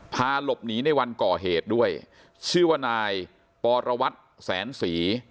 พาหลบหนีในวันก่อเหตุด้วยชื่อว่านายปรวัตรแสนศรี